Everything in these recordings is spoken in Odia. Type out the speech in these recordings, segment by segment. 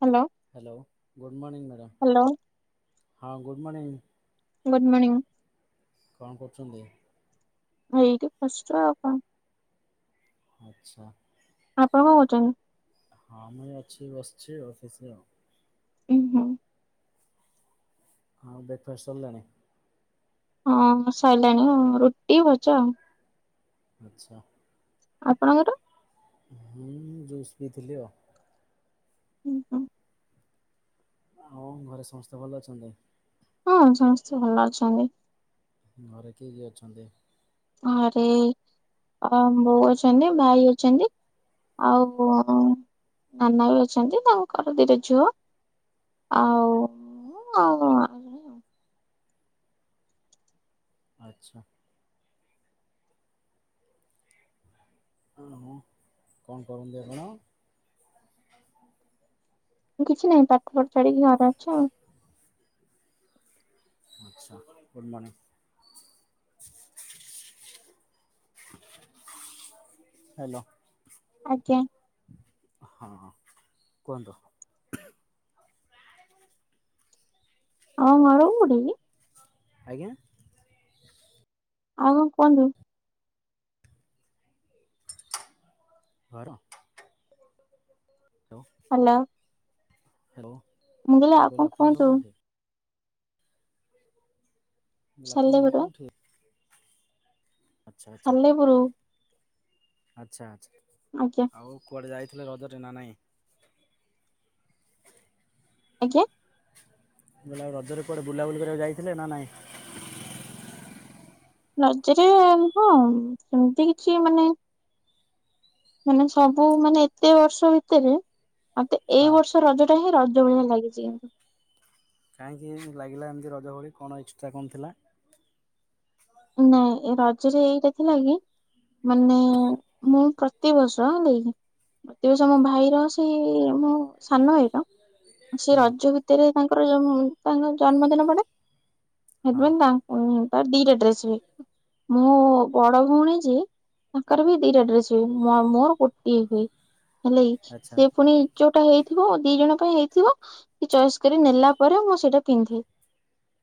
Hello hello good morning madam hello ହଁ ଗୁଡ଼୍ ମର୍ନିଙ୍ଗଂ ଗୁଡ଼୍ ମର୍ନଙ୍ଗଂ କଣ କରୁଛନ୍ତି। ଏଇଠି ବସିଚୁ ଆଉ କଣ ଆଚ୍ଛା ଆପଣ କଣ କହୁଛନ୍ତି? ହଁ ମୁଁ ଅଛି ବସିଛି ଆଉ ଅଫିସରେ। ହୁଁ ହୁଁ ଆଉ ବ୍ରେକ୍ଫାଷ୍ଟ୍ ସରିଲାଣି? ହଁ ସରିଲାଣି ହ ରୁଟି ଭଜା ଆଉ। ଆଚ୍ଛା ଆପଣଙ୍କର? ହୁଁ ଜୁସ୍ ପିଇ ଥିଲି ଆଉ। ହୁଁ ହୁଁ ଆଉ ଘରେ ସମସ୍ତେ ଭଲ ଅଛନ୍ତି? ହଁ ସମସ୍ତେ ଭଲ ଅଛନ୍ତି। ଘରେ କିଏ କିଏ ଅଛନ୍ତି? ଘରେ ଅ ବୋଉ ଅଛନ୍ତି ଭାଇ ଅଛନ୍ତି ଆଉ ନାନା ବି ଅଛନ୍ତି ତାଙ୍କର ଦିଟା ଝିଅ। ଆଉ ଉଁ ଆଉ ଆଚ୍ଛା ଆଉଁ କଣ କରନ୍ତି ଆପଣ? କିଛି ନାହିଁ ପାଠପଢି ଛାଡିକି ଘରେ ଅଛି ଆଉ। ଆଚ୍ଛା [unintelligible] ହ୍ୟାଲୋ ଆଜ୍ଞା ହଁ ହଁ କୁହନ୍ତୁ। ଆପଣଙ୍କ ଘର କୋଉଠି କି? ଆଜ୍ଞା ଆଉ କଣ କୁହନ୍ତୁ? ଘର ହ୍ୟାଲୋ ହ୍ୟାଲୋ ହ୍ୟାଲୋ, ମୁଁ ଆଉ କଣ କହିଲି ଆପଣଙ୍କ କୁହନ୍ତୁ କୋଉଠି? ମୁଁ କହିଲି ଆପଣଙ୍କ ଘର ସାଲେପୁର କୋଉଠି? ଆଚ୍ଛା ଆଚ୍ଛା, ସାଲେପୁର ଆଚ୍ଛା ଆଚ୍ଛା ଆଜ୍ଞା ଆଉ କୁଆଡ଼େ ଯାଇଥିଲେ ରଜରେ ନା ନାହିଁ? ଆଜ୍ଞା ମୁଁ କହିଲି ଆଉ ରଜରେ କୁଆଡେ ବୁଲାବୁଲି କରିବାକୁ ଯାଇଥିଲେ ନା ନାଇଁ? ରଜରେ ହଁ ସେମିତି କିଛି ମାନେ ମାନେ ସବୁ ମାନେ ଏତେ ବର୍ଷ ଭିତେରେ ଆତେ ହଁ। ଏଇ ବର୍ଷ ରଜ ଟା ହିଁ ରଜ ଭଳିଆ ଲାଗିଛି। କାହିଁକି ଲାଗିଲା ଏମିତି ରଜଭଳି କଣ ଏକ୍ସଟ୍ରା କଣ ଥିଲା? ନାଇଁ ଏ ରଜରେ ଏଇଟା ଥିଲା କି, ମାନେ ମୁଁ ପ୍ର ତିବର୍ଷ ହେଲାକି ପ୍ରତିବର୍ଷ ମୋ ଭାଇର ସେଇ ମୋ ସାନ ଭାଇର ସେ ହୁଁ ରଜ ଭିତେରେ ତାଙ୍କର ଜମ ତାଙ୍କର ଜନ୍ମଦିନ ପଡେ, ହଁ ହେଥିପାଇଁ ତାଙ୍କ ଉଁ ତାର ଦିଟା ଡ୍ରେସ ହୁଏ। ମୋ ବଡ ଭଉଣୀ ଯିଏ ତାଙ୍କର ବି ଦିଟା ଡ୍ରେସ ହୁଏ। ମ ମୋର ଗୋଟିଏ ହୁଏ ହେଲାକି ଆଚ୍ଛା ସିଏ ପୁଣି ଯୋଉଟା ହେଇଥିବ ଦି ଜଣ ପାଇଁ ହେଇଥିବ କି ଚଏସ୍ କରି ନେଲା ପରେ ମୁଁ ସେଇଟା ପିନ୍ଧେ।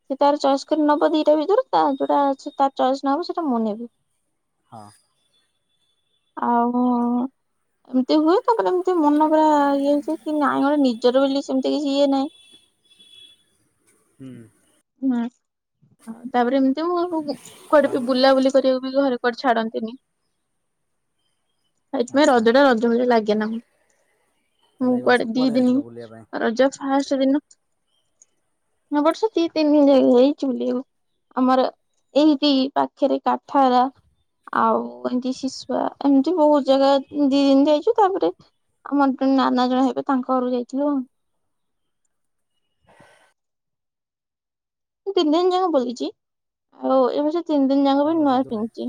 ସେ ତାର ଚଏସ୍ କରି ନବ ଦିଟା ଭିତରୁ ତା ଯୋଉଟା ତାର ଚଏସ୍ ନହବ ସେଇଟା ମୁଁ ନେବି। ହଁ ଆଉ ଏମିତି ହୁଏ ତାପରେ ଏମିତି ମନ ପୁରା ଇଏ ହେଇଯାଏ କି ନାଇଁ ଗୋଟେ ନିଜର ବେଲି ସେମିତି କିଛି ଇଏ ନାଇଁ। ହୁଁ ହୁଁ ତାପରେ ଏମିତି ମୁଁ କୁ କୁଆଡେ ଆଉ ବି ବୁଲାବୁଲି କରିଆକୁ ବି ଘରେ କୁଆଡେ ଛାଡନ୍ତିନି, ସେଥିପାଇଁ ଆଚ୍ଛା। ରଜ ଟା ର ଜ ଭଳି ଲାଗେନା। ତାହେଲେ ମୁଁ ଏଇ ବର୍ଷ କୁଆଡେ ଦି କୁଆଡ଼େ ଦିନି ଯାଇଥିଲ ବୁଲିବା ପାଇଁ? ରଜ ଫାଷ୍ଟ ଦିନ ବର୍ଷ ଦି ତିନି ଜାଗ ଏଇ ଚୁଲି ଆଉ ଆମର ଏଇଟି ପାଖେରେ କାଠର ଆଉ ଏମତି ଶିଶୁଆ ଏମିତି ବହୁତ ଜାଗା ଦି ଦିନି ଯାଇଛୁ ତାପରେ ଆମର ଜଣେ ନାନା ଜଣେ ହେବେ ତାଙ୍କ ଘରୁକୁ ଯାଇଥିଲୁ ଆଉ। ତିନି ଦିନି ଯାକ ବୁଲିଛି ଆଉ ଏ ବର୍ଷ ତିନି ଦିନି ଯାକ ଆଉ ବି ରଜ ନୂଆ ଦୋ ନାହିଁ ପିନ୍ଧିଛି।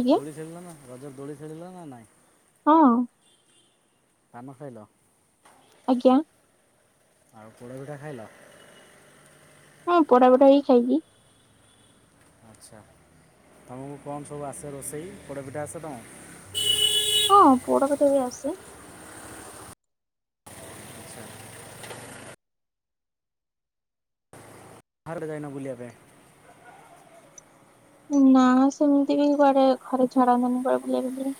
ଆଜ୍ଞା ଦୋଳି ଖେଳିଲ ନା ରଜ ଦୋଳି ଖେଳିଲ ନା ନାଇଁ? ହଁ ହଁ। ପାନ ଖାଇଲ? ଆଜ୍ଞା। ଆଉ ପୋଡପିଠା ଖାଇଲ? ହଁ ପୋଡପିଠା ବି ଖାଇଛି। ଆଚ୍ଛା। ତୁମକୁ କଣ ସବୁ ଆସେ ରୋଷେଇ ପୋଡ଼ ପିଠା ଆସେ ତମକୁ? ହଁ ପୋଡପିଠା ବି ଆସେ। ଆଚ୍ଛା। ବାହାରକୁ ଯାଇନ ବୁଲିବା ପାଇଁ? ନା ସେମିତି ବି କୁଆଡେ ଘରେ ଛାଡ଼ନ୍ତିନି କୁଆଡେ ବୁଲିବାକୁ ଯି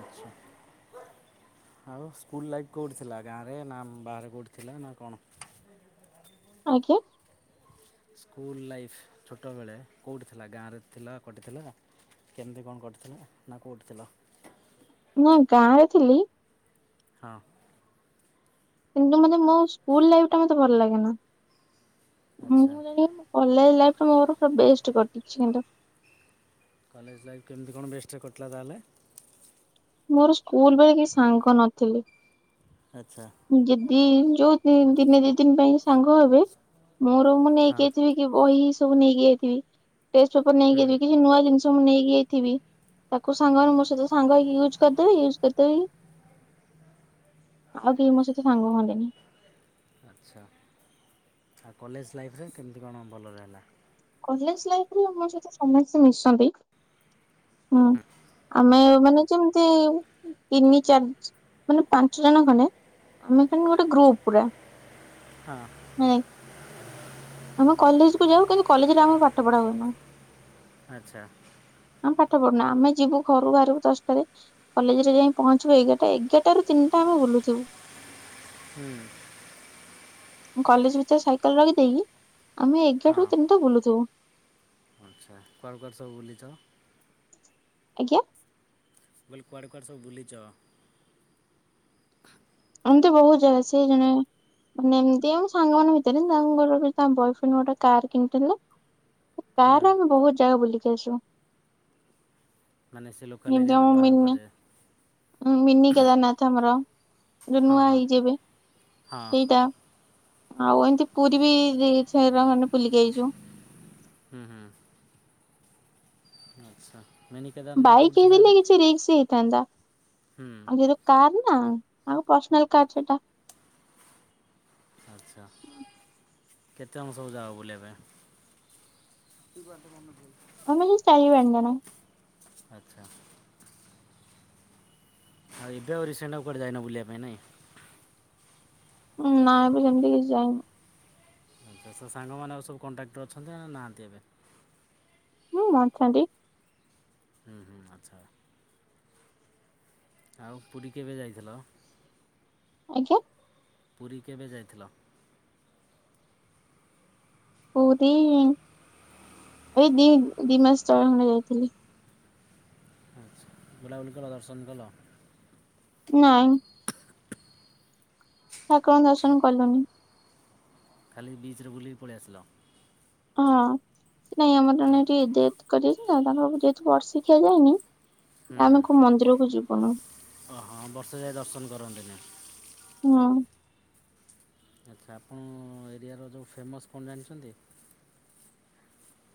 ଆଚ୍ଛା। ଆଉ ସ୍କୁଲ ଲାଇଫ୍ କଉଠି ଥିଲା ଗାଁରେ ନା ବାହାରେ କଉଠି ଥିଲା ନା କଣ? [inaudible] ଆଜ୍ଞା। ସ୍କୁଲ ଲାଇଫ୍ ଛୋଟବେଳେ କଉଠି ଥିଲା ଗାଁରେ ଥିଲା କଟି ଥିଲା କେମତି କଣ କଟିଥିଲା ନା କଉଠି ଥିଲ? ନା ଗାଁରେ ଥିଲି। ହଁ। କିନ୍ତୁ ମତେ ମୋ ସ୍କୁଲ ଲାଇଫ ମତେ ଭଲ ଲାଗେନା। ଆଚ୍ଛା କଲେଜ ଲାଇଫ୍ଟା ମୋର ପୁରା ବେଷ୍ଟ କଟିଛି କିନ୍ତୁ। କଲେଜ ଲାଇଫ୍ କେମିତି କଣ ବେଷ୍ଟ୍ରେରେ କଟିଲା ତାହାଲେ? ମୋର ସ୍କୁଲ ବେଳେ କେହି ସାଙ୍ଗ ନଥିଲେ। ଆଚ୍ଛା। ଯଦି ଯୋଉ ଦିନେ ଦି ଦିନ ପାଇଁ ସାଙ୍ଗ ହେବେ ମୋର ମୁଁ ହଁ ନେଇକି ଆଇଥିବି ଇଏ ବହି ସବୁ ନେଇକି ଯାଇଥିବି, ଟେଷ୍ଟପେପର ହୁଁ ନେଇକି ଯାଇ କିଛି ନୂଆ ଜିନିଷ ମୁଁ ନେଇକି ଯାଇଥିବି ତାକୁ ସାଙ୍ଗମାନେ ମୋ ସହିତ ସାଙ୍ଗ ହେଇକି ୟୁଜ କରିଦେବେ ୟୁଜ କରିଦେଇକି। ଆଉ କେହି ମୋ ସହିତ ସାଙ୍ଗ ହୁଅନ୍ତିନି। ଆଚ୍ଛା। ଆଉ କଲେଜ ଲାଇଫରେ କେମିତି କଣ ଭଲରେ ହେଲା? କଲେଜ ଲାଇଫରେ ମୋ ସହିତ ସମସ୍ତେ ମିଶନ୍ତି। ହୁଁ। ଆମେ ମାନେ ଯେମିତି ତିନି ଚାରି ମାନେ ପାଞ୍ଚଜଣ ଖଣ୍ଡେ ଆମେମାନେ ଗୋଟେ ଗ୍ରୁପ ପୁରା। ହଁ। ନାଇଁ ଆମେ କଲେଜ କୁ ଯାଉ କିନ୍ତୁ କଲେଜରେ ଆମର ପାଠ ପଢା ହୁଏନା। ଆଚ୍ଛା। ଆମେ ପାଠ ପଢୁନା ଆମେ ଯିବୁ ଘରୁ ବାହାରିବୁ ଦଶଟାରେ। କଲେଜରେ ଯାଇ ପହଞ୍ଚିବୁ ଏଗାରଟା ଏଗାରଟାରୁ ତିନିଟା ଆମେ ବୁଲଥିବୁ। ହୁଁ। ମୁଁ କଲେଜ ଭିତରେ ସାଇକେଲ ରଖିଦେଇକି ଆମେ ହଁ ଏଗାରାରୁୁ ତିନିଟା ବୁଲୁଥୁବୁ। ଆଚ୍ଛା କୁଆଡ଼େ କୁଆଡ଼େ ସବୁ ବୁଲିଛ? ଆଜ୍ଞା। ମୁଁ କହିଲି କୁଆଡେ କୁଆଡ଼େ ସବୁ ବୁଲିଚ? ଏମତି ବହୁତ ଜାଗା ସିଏ ଜଣେ ମାନେ ଏମତି ଆମ ସାଙ୍ଗମାନଙ୍କ ଭିତରେ ତାଙ୍କର ତା ବଏଫ୍ରେଣ୍ଡ ଗୋଟେ କାର କିଣିଥିଲା। ହୁଁ କାରରେ ଆମେ ବହୁତ ଜାଗା ବୁଲିକି ଆସୁ। ମାନେ ସେ ଲୋକାଲ୍ ଯେମତି ଏରିଆ ନା ଆମ ବାହାର ମିିନି କୁଆଡ଼େ ମିିନି କେଦାରନାଥ ଆମର। ଯୋଉ ହଁ ନୂଆ ହଁ ହେଇଛି ଏବେ ହଁ ସେଇଟା। ଆଉ ଏମିତି ପୁରୀ ବି ଦି ଛେର ଖଣ୍ଡେ ବୁଲିକି ଆଇଛୁ। ହୁଁ ହୁଁ। ଆଚ୍ଛା। ମିନି କେଦାରନାଥଟା ବାଇକ୍ କେଉଁଠି ଥିଲା ହେଇଥିଲେ ଏଇଟା କିଛି ରିକ୍ସ ହେଇଥାନ୍ତା। ହୁଁ ଆଉ ଯେହେ- କାର୍ ନା ତାଙ୍କ ପର୍ସନାଲ କାର୍ ସେଟା। ଆଚ୍ଛା କେତେ ଜଣ ସବୁ ଯାଅ ବୁଲିବା ପାଇଁ? ଯୁଆଡେ ମନ କରୁ। ଆମେ ସେଇ ଚାରି ପାଞ୍ଚ ଜଣ। ଆଚ୍ଛା। ଆଉ ଏବେ ଆଉ ରିସେଣ୍ଟ ଆଉ କୁଆଡେ ବୁଲିବାକୁ ଯାଇନ ବୁଲିବା ପାଇଁ ନାଇଁ। ଉଁ ନାଁ ଏବେ ସେମିତି କିଛି ଯାଇନି। ଆଛା ସେ ସାଙ୍ଗମାନେ ଆଉ ସବୁ କଣ୍ଟାକ୍ଟରେ ଅଛନ୍ତି ନା ନାହାନ୍ତି ଏବେ? ହୁଁ ଅଛନ୍ତି। ହୁଁ ହୁଁ ଆଚ୍ଛା। ଆଉ ପୁରୀ କେବେ ଯାଇଥିଲ? ଆଜ୍ଞା। ପୁରୀ କେବେ ଯାଇଥିଲ? ପୁରୀ ଏଇ ଦି ଦି ମାସ ତଳେ ଖଣ୍ଡେ ଯାଇଥିଲି। ଆଚ୍ଛା। ବୁଲାବୁଲି କଲ ଦର୍ଶନ କଲ। ନାଇଁ। ଠାକୁରଙ୍କ ଦର୍ଶନ କଲୁନି। ଖାଲି ବିଚରେ ବୁଲିକି ପଳି ଆସିଲ। ହଁ ସେ ନାଇଁ ଆମର ଜଣେ ଆଚ୍ଛା। ଏଠି ଡେଥ୍ କରାଯାଇଛି ନା ତାଙ୍କର ଯେହେତୁ ବର୍ଷିକିଆ ଯାଇନି। ଆମେ କୋଉ ମନ୍ଦିର କୁ ଯିବୁନୁ। ଅ ହଁ ବର୍ଷେ ଯାଇ ଦର୍ଶନ କରନ୍ତିନି। ହୁଁ। ଆଚ୍ଛା ଆପଣଙ୍କ ଏରିଆର ଯୋଉ ଫେମସ୍ କଣ ଜାଣିଛନ୍ତି?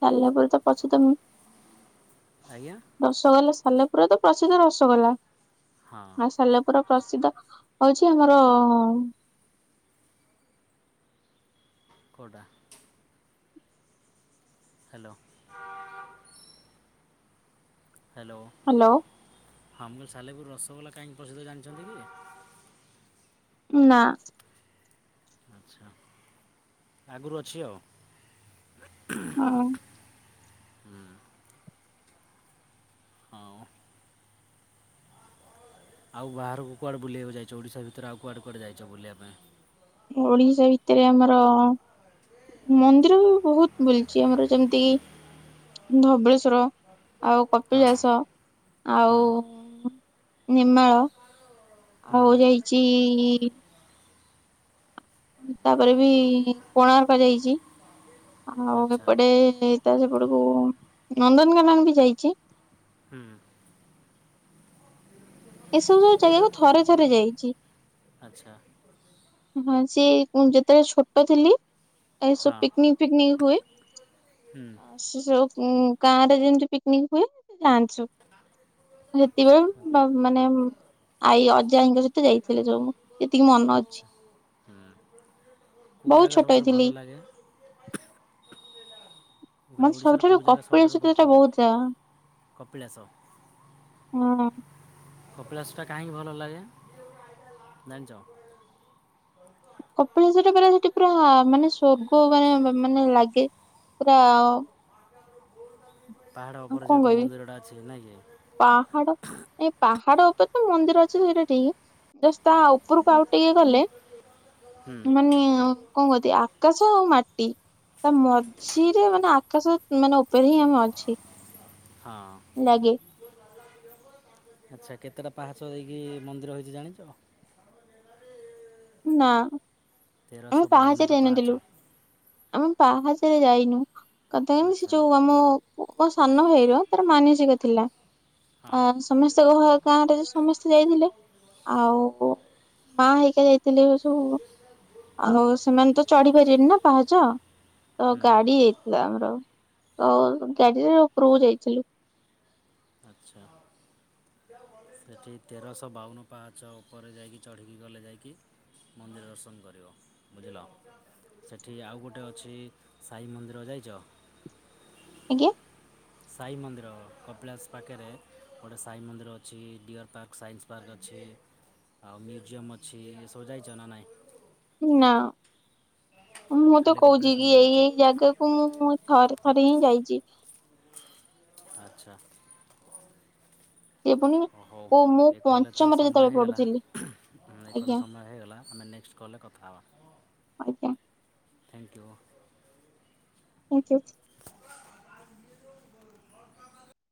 ସାଲେପୁର ତ ପ୍ରସିଦ୍ଧ ନୁହେଁ। ଆଜ୍ଞା। ରସଗୋଲା ସାଲେପୁର ତ ପ୍ରସିଦ୍ଧ ରସଗୋଲା ହଁ ଆଉ ସାଲେପୁର ପ୍ରସିଦ୍ଧ ହଉଛି ଆମର କୋଉଟା? ହାଲୋ। ହାଲୋ। ହାଲୋ। ଆମ ସାଲେପୁର ରସଗୋଲା କାହିଁକି ପ୍ରସିଦ୍ଧ ଜାଣିଛନ୍ତି କି? ନା। ଆଚ୍ଛା। ଆଗରୁ ଅଛି ଆଉ। ହଁ। ହୁଁ ହଁ। ଆଉ ବାହାରକୁ କୁଆଡ଼େ ବୁଲିବାକୁ ଯାଇଛ, ଓଡିଶା ଭିତରେ ଆଉ କୁଆଡେ କୁଆଡେ ଯାଇଛ ବୁଲିବା ପାଇଁ? ଓଡିଶା ଭିତରେ ଆମର ମନ୍ଦିର ମୁଁ ବୋହୁତ୍ ବୁଲିଛି ଆମର ଯେମିତି କ ଧବଳେଶ୍ଵର ଆଉ ହଁ କପିଳାସ ଆଉ ହଁ ନିର୍ମାଳ ହୁଁ ଆଉ ଯାଇଛି ତାପରେ ବି କୋଣାର୍କ ଯାଇଛି [unintelligible] ଆଉ ଆଚ୍ଛା ଏପଟେ ତା ସେପଟକୁ ନନ୍ଦନକାନକ ବି ଯାଇଛି। ହୁଁ। ଏସବୁ ସବୁ କେଉଁଟା ଜାଗାକୁ ଥରେ ଥରେ ଯାଇଛି। ଆଚ୍ଛା। ହଁ ସିଏ ଯେତେବେଳେ ଛୋଟ ଥିଲି ଏସବୁ ହଁ ପିକ୍ ନିକ୍ ଫିକ୍ ନିକ୍ ହୁଏ। ହୁଁ ସେ ସବୁ ଗାଁ ରେ ଯେମତି ପିକ୍ ନିକ୍ ହୁଏ ଯାଆନ୍ତି ସବୁ। ସେତିବେଳେ ବା ମାନେ ଆଈ ଅଜାଙ୍କ ସହିତ ଯାଇଥିଲେ ଯୋଉ ସେତିକି ମନେ ଅଛି। ଆଚ୍ଛା ହୁଁ କୋଉ ବହୁତ ଜାଗା ଛୋଟ ସବୁଠାରୁ ହେଇଥିଲି। ଭଲ ଲାଗେ? ମୁଁ କହିଲି ମାତେ ଓଡ଼ିଶାର ସବୁଠାରୁ କେଉଁ ଜାଗା ସବୁଠାରୁ କପିଳାସ ବହୁତ ଟିକେ ଭଲ ଲାଗେ ବୋହୁତ୍ ଯା ହଁ। କପିଳାଶଟା କାହିଁକି ଭଲ ଲାଗେ ଜାଣିଛ? କପିଳାସ ଟା ପରା ସେଠି ପୁରା ମାନେ ସ୍ଵର୍ଗ ମାନେ ମାନେ ଲାଗେ। ପୁରା ପାହାଡ଼ ଉପରେ କଣ ଯେହେତୁ କହିବି ମନ୍ଦିରଟା ଅଛି। ନାଇଁ କି? ପାହାଡ ଏଇ ପାହାଡ ଉପରେ ତ ମନ୍ଦିର ଅଛି ସେଇଟା ଠିକ୍ ଜଷ୍ଟ ତା ଉପରକୁ ଆାଉ ଟିକେ ଗଲେ ହୁଁ ମାନେ କଣ କୁହତି ଆକାଶ ଆଉ ମାଟି ତା ମଝିରେ ମାନେ ଆକାଶ ମାନେ ଉପରେ ହିଁ ଆମେ ଅଛି। ହଁ। ଲାଗେ। ନ [inaudible] ଆଚ୍ଛା କେତେଟା ପାହାଚ ଦେଇକି ମନ୍ଦିର ହେଇଛି ଜାଣିଛ? [inaudible] ନା ଆମେ ତେରଶହ ପାହାଚରେ ବାଉନଟା ପାହାଚ ଯାଇନଥିଲୁ। ଆମେ ପାହାଚରେ ଯାଇନୁ କଥା ହୋଉଛି ଆଚ୍ଛା ଯୋଉ ଆମ ମୋ ସାନ ଭାଇର ତାର ମାନସିକ ଥିଲା। ଆ ହଁ ସମସ୍ତଙ୍କ ଗାଁରେ ସମସ୍ତେ ଯାଇଥିଲେ। ଆଉ ମା ହେଇକା ଯାଇଥିଲେ ସବୁ। ଆଉ ସେମାନେ ତ ଚଢି ପାରିବେନି ନା ପାହାଚ ତ ହୁଁ ଗାଡି ଆମର ଆଉ ଗାଡିରେ ଉପରକୁ ଯାଇଥିଲୁ। ଆଚ୍ଛା। [unintelligible] ସେଠି ତେରଶହ ବାଉନ ପାହାଚ ଉପରେ ଯାଇକି ଚଢ଼ିକି ଗଲେ ଯାଇକି। ମନ୍ଦିର ଦର୍ଶନ କରିବ। ବୁଝିଲ ସେଠି ଆଉ ଗୋଟେ ଅଛି ସାଇ ମନ୍ଦିର ଯାଇଛ? ଆଜ୍ଞା? ସାଇ ମନ୍ଦିର କପିଳାସ ପାଖରେ ଗୋଟିଏ ସାଇ ମନ୍ଦିର ଅଛି ଡିଅର୍ ପାର୍କ ସାଇନ୍ସ ପାର୍କ ଅଛି। ଆଉ ମ୍ୟୁଜିୟମ୍ ଅଛି ଏ ସବୁ ଯାଇଛ ନା ନାଇଁ? ନା ମୁଁ ତ ଖାଲି କହୁଚି କପିଳାସ କି ମନ୍ଦିର ଏଇ ଯାଇଛ ଏଇ ଜାଗା ମୁଁ ଥରେ ଥରେ ହିଁ ଯାଇଚି। ଆଚ୍ଛା। ସେ ପୁଣି ହଉ ଓ ମୁଁ ଏ କଲ ରେ ତ ପଞ୍ଚମରେ ସମୟ ଯେତେବେଳେ ହେଇଗଲା। ପଢୁଥିଲି ଏ କଲେ ଆଜ୍ଞା ସମୟ ହେଇଗଲା ଆମେ ନେକ୍ସଟ୍ କଲ ରେ କଥା ହବା। ଆଜ୍ଞା। Thank you. Thank you